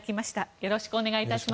よろしくお願いします。